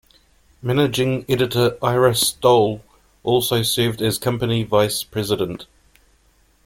Managing editor Ira Stoll also served as company vice-president.